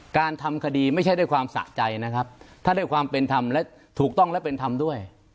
การทำคดีไม่ใช่ด้วยความสะใจนะครับถ้าได้ความเป็นธรรมและถูกต้องและเป็นธรรมด้วย